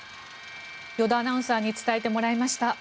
依田アナウンサーに伝えてもらいました。